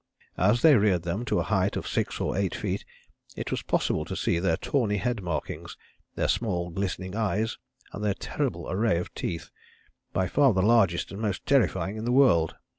As they reared them to a height of six or eight feet it was possible to see their tawny head markings, their small glistening eyes, and their terrible array of teeth by far the largest and most terrifying in the world.